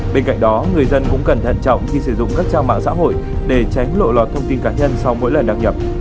bên cạnh đó người dân cũng cần thận trọng khi sử dụng các trang mạng xã hội để tránh lộ lọt thông tin cá nhân sau mỗi lần đăng nhập